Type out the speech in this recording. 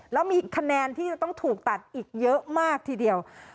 แล้วมีคะแนนที่จะต้องถูกตัดอีกเยอะมากทีเดียว